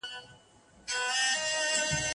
په نس ماړه او پړسېدلي کارغان